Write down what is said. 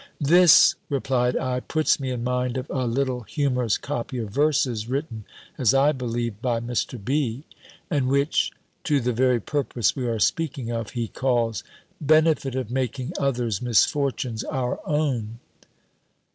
"This," replied I, "puts me in mind of a little humourous copy of verses, written, as I believe by Mr. B. And which, to the very purpose we are speaking of, he calls _"'Benefit of making others' misfortunes our own.